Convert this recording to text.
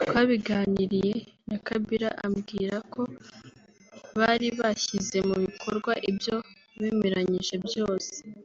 twabiganiriye na Kabila ambwira ko bari bashyize mu bikorwa ibyo bemeranyije byose